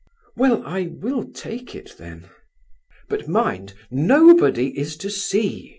"Well, I will take it then." "But mind, nobody is to see!"